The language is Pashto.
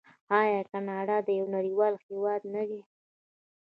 آیا کاناډا یو نړیوال هیواد نه دی؟